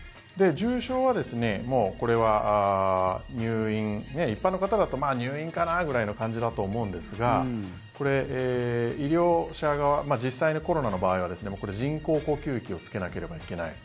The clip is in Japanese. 重症は、入院一般の方だと入院かな？ぐらいの感じだと思うんですが医療者側、実際にコロナの場合はこれは人工呼吸器をつけなければいけない。